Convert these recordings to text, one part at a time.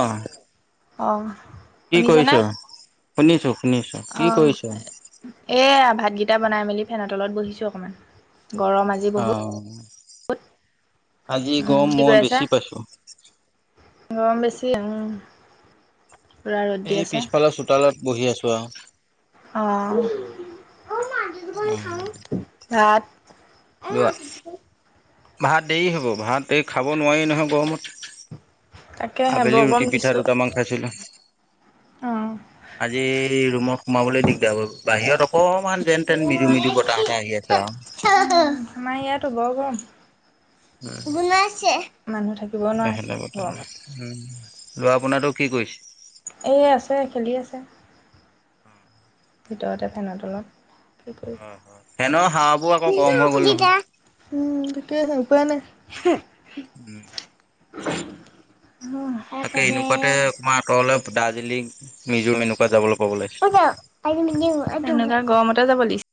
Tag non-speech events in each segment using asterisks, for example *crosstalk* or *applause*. অহ অহ কি কৰিছ শুনিছো শুনিছো কি অহ কৰিছ এয়া ভাতকেইটা বনাই মেলি ফেনৰ তলত বহিছো অকমান গৰম আজি বহুত, অহ আজি উম, গম কি মই বেছি পাইছো গম বেছি উ এই পিছফালৰ চোতালত বহি আছো আও অহ উম ভাত যোৱা ভাত দেৰি হব ভাত দে খাব নোৱাৰি নহয় গৰমত তাকেহে আবেলি বৰ গৰম ৰুটি পিঠা দিছোঁ, দুটামান খাইছিলো অ'। আজি ৰুমত সোমাবলৈ দিগদাৰ বাহিৰত অকমান যেন তেন মিদু মিদু বতাহ এটা আহি আছে আও অ অহ আমাৰ ইয়াতো বৰ গৰম গোনাইছে মানুহ থাকিবও নোৱাৰা এইফালে হৈছে বতাহ গৰমত উম লৰা পোনাটো কি কৰিছে এয়া আছে খেলি আছে ভিতৰতে ফেনত তলত কি হয় হয় ফেনৰ হাৱাবোৰ আকৌ গৰম হৈ গ'ল নহয় কৰিবমিক পোৱা নাই *unintelligible* *unintelligible* উম তাকে এনেকুৱাতে অকমান আঁতৰলে দাৰ্জিলিং মিজো এনেকুৱা যাব লাগে এনেকোৱা গৰমতে যাব লাগিছিলে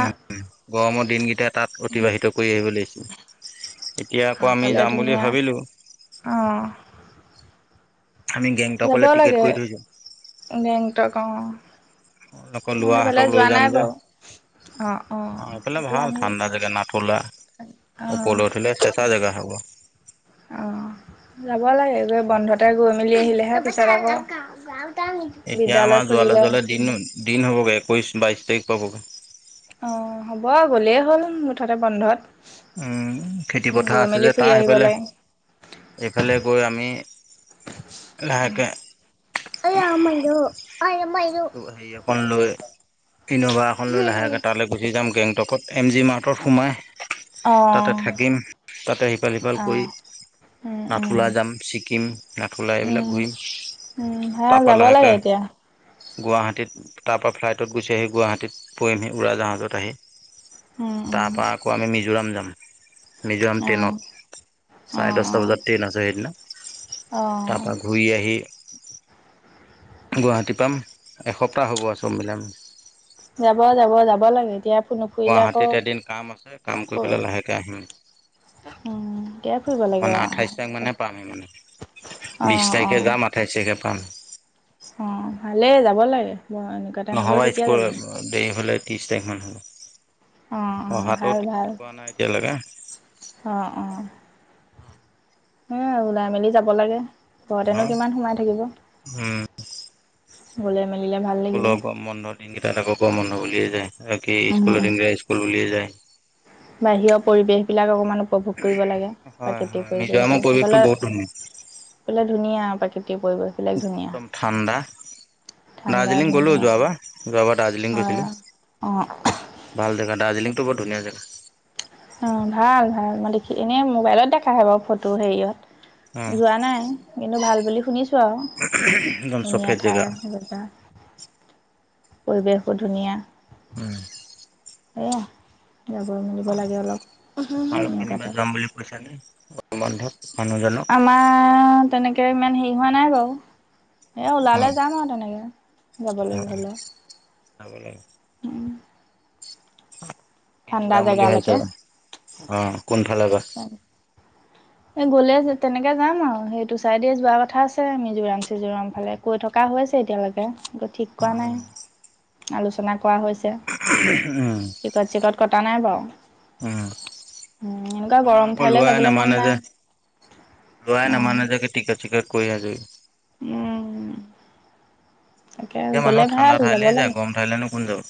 উম গৰমৰ দিনকেইটা তাত অতিবাহিত কৰি আহিব লাগিছিলে এতিয়া আকৌ আমি আগফালে যাম বুলি ধুনীয়া ভাবিলো। অঁ আমি গেংটো যাব অকলে টিকেট লাগে কৰি থৈছো। গেংটক অঁ আকৌ মই সেইফালে লোৱাহঁতক লৈ যোৱা নাই যাম যে। বাৰু অঁ অঁ এ ফালে সেইফালে ভাল আমি ঠাণ্ডা জেগা না লা অঁ উপলে উঠিলে চেচা জেগা হব। *unintelligible* অ যাব লাগে গৈ বন্ধতে গৈ মেলি আহিলেহে পিছত আকৌ এতিয়া বিদ্যালয় আমাৰ যোৱালে, খুলিলে যোৱাললে দিন, দিন হ'বগৈ একৈশ বাইশ তাৰিখ পাবগৈ। অ হ'ব গলেই হ'ল মুঠতে বন্ধত। খেতি গৈ পথাৰ আছে মেলি যে ফুৰি তাৰ আহিব সেইফালে লাগে। এইফালে গৈ আমি লাহেকে অ আম হেৰি এখন লৈ ইন'ভা এখন লৈ লাহেকে তালৈ গুচি যাম গেংটকত। এম জি মাৰ্টত সোমাই তাতে অ', থাকিম তাতে সিফাল সিফাল কৰি। অ', উম, উম, নাথুলা যাম ছিকিম নাথুলা এইবিলাক ঘূৰিম। উ হা তাৰপৰা যাব লাগে লাহেকৈ এতিয়া। গুৱাহাটীত তাৰপৰা ফ্লাইটত গুচি আহি গুৱাহাটীত পৰিমহি উৰাজাহাজত আহি উম, উম, তাৰপৰা আকৌ আমি মিজোৰাম যাম। মিজোৰাম অ', ট্ৰেইনত চাৰে অ', দশটা অ', বজাত ট্ৰেইন আছে সেইদিনা অ', তাৰপা ঘূৰি আহি গুৱাহাটী পাম। এসপ্তাহ হ'ব আ চো মিলাম। যাব, যাব, যাব লাগে এতিয়া। নুফুৰিলে আকৌ গুৱাহাটীত এদিন কাম আছে কাম কৰি পেলাই লাহেকৈ আহিম। উম, এতিয়াই ফুৰিব লাগে মানে অ'। আঠাইশ তাক মানে পামেই মানে। বিশ অ', তাৰিখে অ', যাম আঠাইছ তাৰিখে পাম। অ ভালেই যাব লাগে। এনেকুৱাতে নগৈ নহ'বা কেতিয়া স্কুল যাবনো দেফলে ত্ৰিশ তাৰিখ মান অ', হ'ব। অ', অহা ভাল, ভাল টিকট পোৱা নাই এতিয়ালৈকে। হ ওলাই মেলি যাব লাগে ঘৰতেনো কিমান সোমাই থাকিব। উম বুলে। স্কুলৰ গম বন্ধ দিনকেইটা তকৌ গম বন্ধ বুলিয়ে যায় আৰু ই উম স্কুলৰ উম। দিনকেইটা স্কুল বুলিয়ে যায়। বাহিৰৰ পৰিবেশ বিলাক অকমান উপভোগ কৰিব লাগে হয় প্ৰাকৃতিক হয় মিজোৰামৰ পৰিৱেশবোৰ পৰিৱেশটো সফলে। বহুত ধুনীয়া বোলে ধুনীয়া প্ৰাকৃতিক পৰিৱেশ বিলাক ধুনীয়া। একদম ঠাণ্ডা ঠাণ্ডা দাৰ্জিলিং গলো ধুনীয়া যোৱাবাৰ, যোৱাবাৰ দাৰ্জিলিং হয়। গৈছিলো। অ। ভাল জেগা দাৰ্জিলিংটো বৰ ধুনীয়া জেগা। অ ভাল ভাল মই দেখি এনেই মোবাইলত দেখাাহে বাৰু ফটো উম, হেৰিয়ত। যোৱা নাই কিন্তু ভাল বুলি শুনিছোঁ আৰু। একদম ধুনীয়া চফেদ জেগা। ঠাই এ পৰিৱেশ, ধুনীয়া। উ সয়া যাব মেলিব লাগে অলপ এনেুৱাতে। অ বন্ধৱ। আমাৰ তেনেকে ইমান হেৰি হোৱা নাই বাৰু। এই উম, ওলালে যাম আৰু তেনেকৈ যাবলৈ হ'লে। ন বোলে। উম। কিনি যাম বুলি ভাবিছ জেগালৈকে আহ কোনফালে গছ। গ'লে তেনেকে যাম আৰু সেইটো চাইডে যোৱা কথা আছে আমিজোৰাম চিজোৰাম ফালে কৈ থকা হৈছে। তেতিয়ালৈকে ঠিক কৰা নাই আলোচনা। কোৱা হৈছে টিকট চিকট কটা নাই বাৰু। উ উম এনেকুৱা গৰম আমাৰ আকৌ ঠাইলৈ লোৱা যাবলৈ মন নমানে নাই যে। *unintelligible* অ লোৱাই নামানে যে টিকেট চিকেট কৰি আজৰি। উম। তাকে এতিয়া মানুহ গলে ঠাণ্ডা ভাল যাব ঠাইলে যায় লাগে। গৰম ঠাইলেনো কোন যাব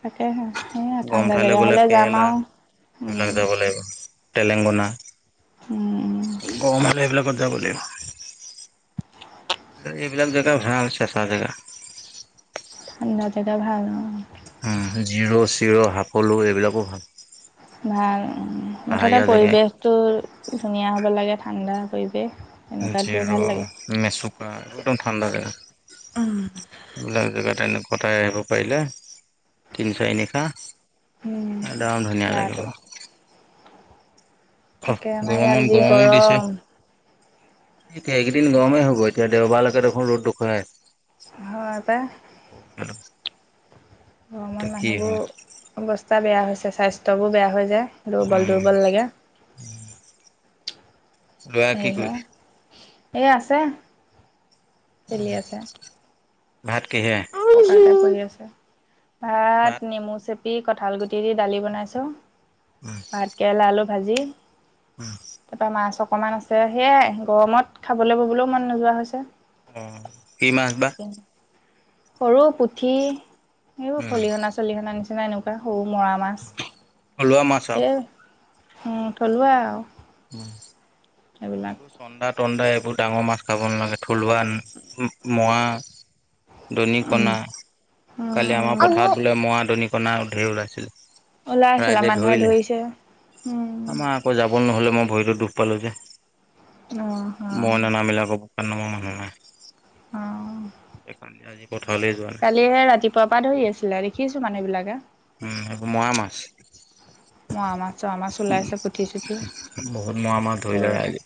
তাকেহে সেইয়া গৰম ঠাণ্ডা ঠাইলৈ জেগা গ'লে হলে যাম কেৰেলা আৰু এইবিলাক উম। যাব লাগিব তেলেংগনা, উম গৰমালে সেইবিলাকত যাব লাগিব। এইবিলাক জেগা ভাল চেঁচা জেগা। তাৰ জেগা ভাল ন। হ জিৰো চিৰ সকলো এইবিলাকো ভাল। ভাল, মুঠতে পাহাৰীয়া জেগা পৰিৱেশটো একদম ধুনীয়া হ'ব লাগে ঠাণ্ডা পৰিৱেশ। তেনেকুৱাত গৈ জিৰ', ভাল লাগে মেচুকা একদম ঠাণ্ডা জাগা। এইবিলাক জেগাত এনেক কটাই আহিব পাৰিলে তিনি চাৰি নিশা। উম, একদম ধুনীয়া গাটো লাগিব। তাকে আমাৰ ইয়াত গৰমত যি গৰমো দিছে। গৰম এতিয়া এইকেইদিন গৰমেই হ'ব, এতিয়া দেওবাৰলৈকে দেখোন ৰ'দ দেখুৱাই। হয় ত। গৰমত এতিয়া কি হয় মানুহবোৰ অৱস্থা বেয়া হৈছে, স্বাস্থ্যবোৰ বেয়া হৈ যায়। আৰু দুৰ্বল দুৰ্বল লাগে। বেয়া কি হেৰি হয় কৰিছ? এই আছে চলি আছে। ভাত কিহে? কৰি আছে। ভাত নেমু চে- পি, কঁঠাল গুটি দি দালি বনাইছো, অ' ভাত কেৰেলা আলু ভাজি, তাৰপৰা মাছ অকমান আছে। সেয়াই গৰমত খাবলৈ ববলৈও মন নোযোৱা হৈছে। অ কি মাছ বা? সৰু পুঠি এইবোৰ খলিহনা চলিহনা নিচিনা এনেকুৱা সৰু মৰা মাছ, থলুৱা মাছ আৰু। এই থলুৱা আৰু। উম। এইবিলাক এইবোৰ চন্দা তন্দা এইবোৰ ডাঙৰ মাছ খাব নালাগে। থলুৱা মোৱা দৰি কণা। কালি আমাৰ উম পথাৰত বোলে মৰা দৰি কণা ধেৰ ওলাইছিল। ওলাই আহিছিলা ৰাইজে মানুহে ধৰিলে। ধৰিছে উম আমাৰ আকৌ যাব নহলে। মই ভৰিটো দুখ পালোঁ যে। অহ হ। হাল বাব মানুহ নাই স কানদি আজি পথাৰলৈ যোৱা নাই। প পৰা ধৰি আছিলে দেখিছো মানুহ বিলাকে। উম মৰা মাছ? মৰা মাছ চৰা মাছ ওলাইছে পুঠি চুঠি বহুত মৰা মৰা ধৰি ৰাইজে।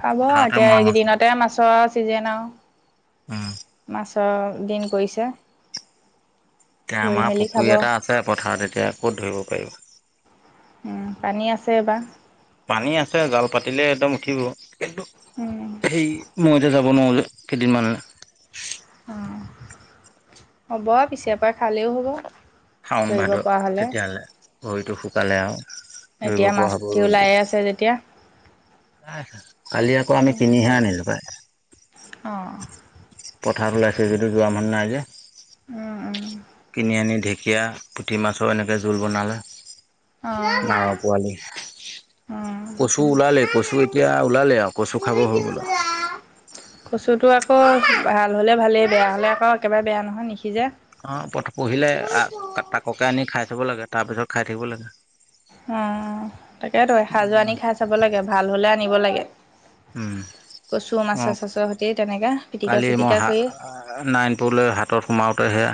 খাব পথাৰতে এতিয়া মৰা মাছ উম এইকেইদিনতে মাছৰ চিজেন আৰু মাছ ছ দিন পৰিছে। এতিয়া ধৰি আমাৰ মেলি খাব পুখুৰী এটা আছে, পথাৰত এতিয়া ক'ত ধৰিব পাৰিব। পানী আছে বা? পানী আছে, জাল পাতিলে একদম উঠিব। কিন্তু উম সেই মই এতিয়া যাব নোৱাৰো কেইদিনমান। অ। হ'ব পিছে পৰা খালেও হ'ব। শাওণ ধৰিব ভাদত পৰা হ'লে তেতিয়াহ'লে ভৰিটো শুকালে আৰু। কৰিব এতিয়া মাছ পৰা হব পুঠি ৰ'দ ওলাইে দিলে। আছে যেতিয়া কালি আকৌ আমি কিনিহে আনিলো পাই। অঁ। পথাৰত ওলাইছে যদি যোৱা মান নাই যে, উম উম কিনি আনি সখীয়া পুঠি মাছৰ এনেকে জোল বনালে, অঁ। নাৰ পোৱালি। কচু ওলালে কচু এতিয়া ওলালে আৰু কচু খাব হৈ গল আৱ। কচুটো আকৌ ভাল হ'লে ভালে বেয়া হ'লে আকৌ নিসিজে অ পত পহিলে আ তা তাককে আনি খাই চাব লাগে তাৰপিছত খাই থাকিব লাগে। অ তাকেটো এসাজ আনি খাই চাব লাগে। ভাল হ'লে আনিব লাগে। উম, কচু মাছা মই চাছ সৈতি ত কালি মই হাঁহ আ নাইনপুৰলৈ হাতত সোমাওঁ তেহে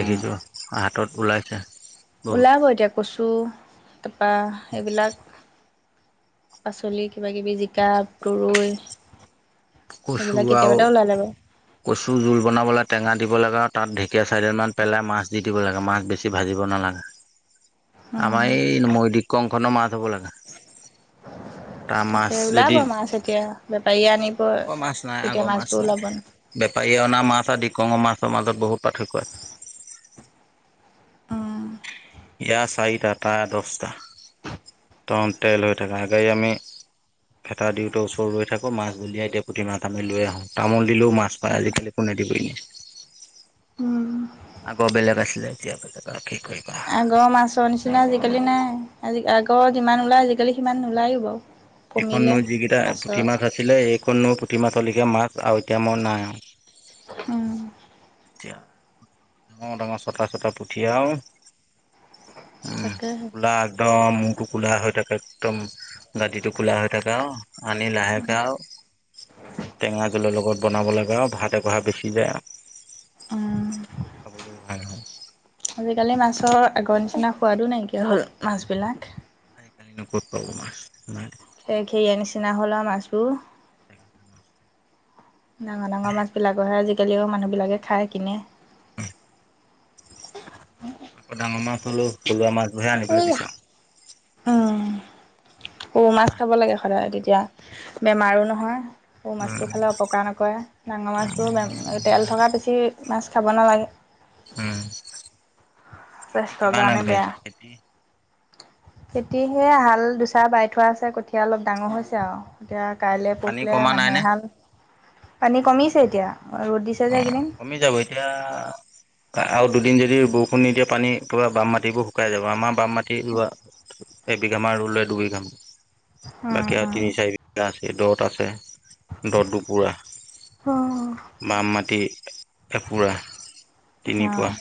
দেখিছো হাতত ওলাইছে বহুত ওলাব এতিয়া কচু তাৰপৰা এইবিলাক পাচলি কিবা কিবি জিকা তুৰ কচু আৰু কচু জোল বনাবলৈ টেঙা দিব লাগে। তাত ঢেকীয়া চাৰদিনমান পেলাই মাছ দি দিব লাগে মাছ বেছি ভাজিব নালাগে। উম আমাৰ এই মৈদিক কংখনৰ মাছ হ'ব লগা। তাকে ওলাব মাছ এতিয়া বেপাৰীয়ে আনি আগৰ মাছ নাই আগৰ মাছ নাই বেপাৰীয়ে অনা মাছ আদি কঙৰ মাছ। মাজত বহুত পাৰ্থক্যত ইয়য়া চাৰিটা তাৰ দহটা তন তেল হৈ থাককা গাড়ী আমি ভেতা দিওঁতে ওচৰ ৰৈ থাকো মাছ বলিয়াই দিয়ে পুথি মাছ আমি লৈ আহো তামোল দিলেও মাছ পায় আজিকালি কোনে দিবই ন উম আগৰ বেলেগ আছিলে এতিয়াক আগৰ মাছৰ নিচিনা আজিকালি নাই আজি আগৰ যিমান ওলায় আজিকালি সিমান নোলায়ো বাৰু কমিলে এইখননো যিকেইটা মাছৰ পুঠি মাছ আছিলে এইখননো প্ৰতি মাছলৈকে মাছ আৰু এতিয়া মই নাই উম তিয়া ডাঙৰ ডাঙৰ চটা চটা পুঠিয়ও উম তাকেহে কোলা একদম মূহটো কোলা হয় থাকে একদম নাতিটো কোলা হয় থাকে আৱ আনি লাহেকে আৱ টেঙা লগত বনাব লাগে আৱ ভাত এগৰা বেছি যায় আৱ উম, হয় আজিকালি মাছৰ আগৰ নিচিনা না সোৱাদো নাইকিয়া হ'ল মাছবিলাক নো ক'ত পাব মাছ নাই খে খেৰীয়া নিচিনা হ'ল আৱ মাছবোৰ ডাঙৰ ডাঙৰ মাছ বিলাকৰহে আজিকালিও মানুহ বিলাকে খাই কিনে উম আকৌ ডাঙৰ মাছ হ'লো থলুৱা মাছবোৰহে আনিবলৈ এই বিচাৰোঁ। সও মাছ খাব লাগে সদায় তেতিয়া বেমাৰো নহয়। সও মাছটো উম খালে অপকাৰ নকৰে ডাঙৰ মাছবোৰে বেম তেল থকা বেছি মাছ খাব নালাগে উম, খেতি স্বাস্থ্যৰ কিমান কাৰণে বেয়া আগবাঢ়িলে খেতি খেতি সে হাল দুচা বাই থোৱা আছে কঠিয়া অলপ ডাঙৰ হৈছে আৱ। এতিয়া কাইলে পানী পখিলে কমা মানুহে নাইনে হাল, পানী কমিছে এতিয়া ৰ'দ দিছে অ যে এইকেইদিন কমি যাব এতিয়া আৰু দুদিন যদি বৰষুণ নিদিয়ে পানী পুৰা বাম মাটিবোৰ শুকাই যাব আমাৰ বাম মাটি ৰুৱা এবিঘামান ৰুলে দুবিঘাম, উম বাকী আৰু তিনি চাৰি বিঘা আছে। দ'ত আছে। দ' দুপুৰা উম বাম মাটি এ এপুৰা অ তিনিপুৱা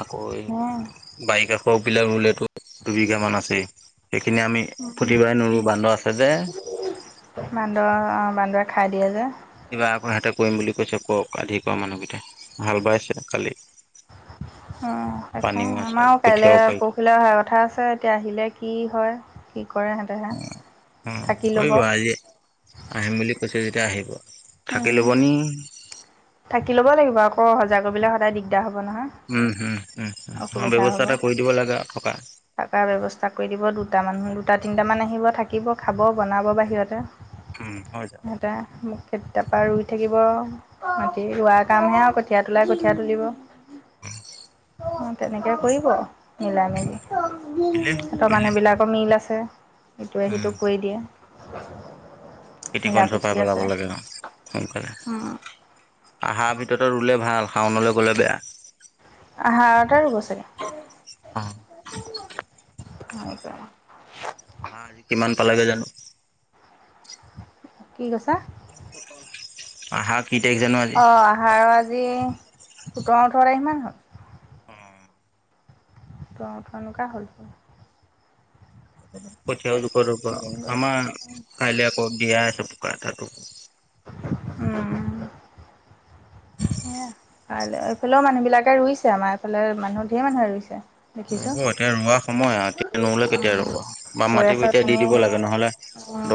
আকৌ এই বাৰি কাষ বিলাক ৰুলেতো দুবিঘা মান আছেই সেইখিনি আমি প্ৰতিবাই নোৰো বান্দ আছে যে বান্দৰ অ অ বান্দৰে খাই দিয়ে যে কিবা আকৌ সেতে কৰিম বুলি কৈছে কৱক কালি কোৱা মানুহকেইটাই হাল বাইছে কালি *unintelligible* অ পানীও সেইকাৰণে আছে আমাৰো কাইলে কঠীয়াও পাৰি পৰখিলে অহা কথা আছে। এতিয়া আহিলে কি হয়? কি কৰে সিহঁতেহে অঁ অঁ থাকি ল'ব কৰিব আজি আহিম বুলি কৈছো তেতিয়া যেতিয়া আহিব থাকি উম ল'ব নি থাকি ল'ব লাগিব আকৌ অহা যোৱা কৰিবলে সদায় দিগদাৰ হ'ব নহয় উম উম উমম ব্যৱস্থা এটা কৰি দিব লাগে আৰু থকা থকাৰ ব্যৱস্থা কৰি দিব দুটা মানুহ দুটা তিনটা মান আহিব থাকিব থাকিব খাব বনাব বাহিৰতে, উম, হৈ যাব। সিহঁতে মোক খেতি তাপা ৰুই থাকিব মাটি ৰুৱাৰ কামহে আৰু কঠিয়া তোলাই কঠিয়া তুলিব। অঁ তেনেকে কৰিব মিলাই মিলি, কৰিলে সিহঁতৰ কৰিলে মানুহ বিলাকৰ মিল আছে। ইটোৱে উম, সিটোক কৰি দিয়ে। খেতি মিলা কণ চপাই প্ৰীতি পেলাব আছে লাগে অ সোনকালে উম, আহাৰ ভিতৰতে ৰুলে ভাল শাওনলে গ'লে বেয়া। আহাৰতে ৰুব চাগে। অ'। অ তৌ হাঁ আজি কিমান পালেগৈ জানো কি কৈছা? আহাৰত অঁ আহাৰ আজি সোতৰ, ওঠৰ তাৰিখ মান হ'ল অ', সোতৰ ওঠৰ এনেকুৱা হ'ল পৰীক্ষা আছে আমাৰ কাইলে আকৌ দিয়াই আছে *unintelligible* উম সেয়া কাই এইফালেও মানুহ বিলাকে ৰুইছে আমাৰ এইফালে মানুহ ধেৰ মানুহে ৰুইছে দেখিছোঁ, ৰুব এতিয়া ৰুৱা সময় আৱ এতিয়া নোৰুলে কেতিয়া ৰুব উম, বাম কৈ আছে মাটিবোৰ এতিয়া দি অথনি দিব হেৰি লাগে নহ'লে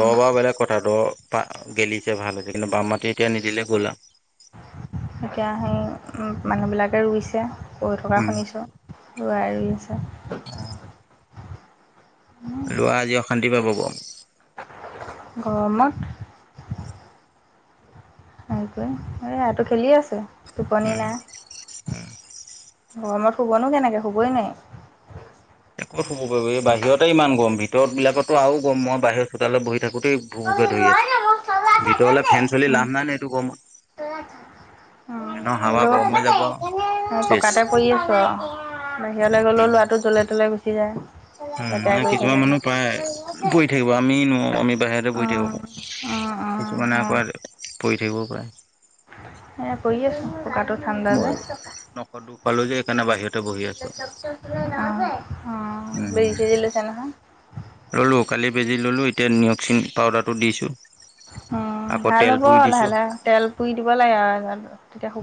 দ বাৰ বেলেগ কথা দ গেলিছে ভাল হৈছে কিন্তু বাম মাটি এতিয়া নিদিলে গ'লা *unintelligible* এতিয়া সেই মানুহবিলাকে ৰুইছে পঢ় থকা শুনিছোঁ আৰু আৰু অঁ লৰা আজি অশান্তি পাব গৰমত। উম সেইটোৱয়ে এ এইটো খেলি আছে টোপনি হুম নাই। হুম গৰমত শুবনো কেনেকৈ শুবই নাই ক'ত হ'ব পাৰো এই বাহিৰতে ইমান গৰম ভিতৰত বিলাকতো আৰু গৰম মই বাহিৰৰ চোতালৈ বহি থাকো গোটই ভুকুকে ধৰি আছে ভিতৰলে ফেন চলি লাভ নাই নে এইটো কৰ্মত উম উম চেচ পকাতে পৰি আছো আৰু বাহিৰলৈ গলেও লৰাটো জ্বলে তলে গুচি যায়। উম লেতেৰা নাই কৰি থাকে। কিছুমান মানুহ প্ৰায় পৰি থাকিব আমি ন আমি বাহিৰতে পৰি উম, থাকিব উম, পাৰে উম, কিছুমানে আকৌ উম। পৰি থাকিব পাৰে এ কৰি আছো পকাটো ঠাণ্ডা যে। মই নখদ দুখ পালো যে সেইকাৰণে বাহিৰতে বহি আছো *unintelligible* আঁহ অঁ বেজি চেজি লৈ আচে নহ ল'লোঁ কালি বেজি ল'লোঁ এতিয়া নিয়ক্সিন পাউদাৰটো দিছোঁ উম ভাল হ'ব লাহে লাহে তেল পুৰি দিব লাগে আৰু তেতিয়া শু